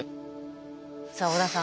さあ織田さん